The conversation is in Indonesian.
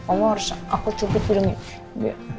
kamu harus aku cubit hidungnya